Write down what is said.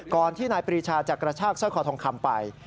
ก่อนที่นายปรีชาจักรชากเส้นขอทองคำไป